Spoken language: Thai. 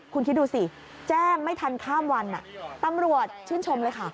คุณคิดดูสิแจ้งไม่ทันข้ามวันตำรวจชื่นชมเลยค่ะ